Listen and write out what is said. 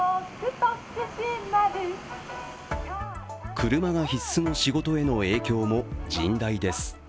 車が必須の仕事への影響も甚大です。